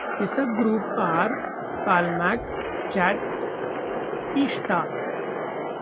The sub-groups are: Kalmak, Chat, Eushta.